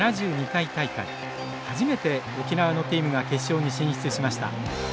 初めて沖縄のチームが決勝に進出しました。